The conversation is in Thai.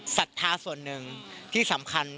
ศรัทธาส่วนหนึ่งที่สำคัญ